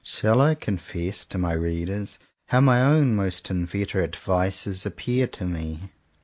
Shall I confess to my reader how my own most inveterate vices appear to me?